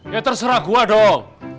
ya terserah gue dong